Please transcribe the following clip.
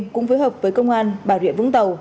cũng phối hợp với công an bảo điện vũng tàu